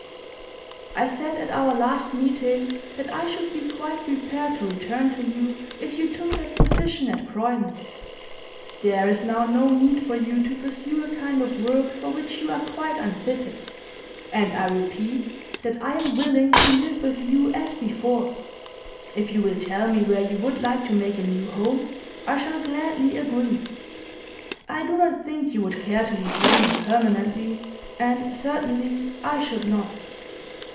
'I said at our last meeting that I should be quite prepared to return to you if you took that position at Croydon. There is now no need for you to pursue a kind of work for which you are quite unfitted, and I repeat that I am willing to live with you as before. If you will tell me where you would like to make a new home I shall gladly agree. I do not think you would care to leave London permanently, and certainly I should not.